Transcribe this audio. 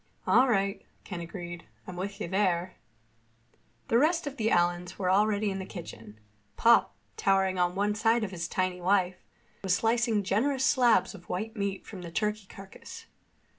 "All right," Ken agreed. "I'm with you there." The rest of the Allens were already in the kitchen. Pop, towering on one side of his tiny wife, was slicing generous slabs of white meat from the turkey carcass.